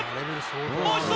もう一度！